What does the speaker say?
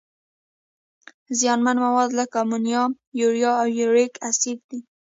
زیانمن مواد لکه امونیا، یوریا او یوریک اسید دي.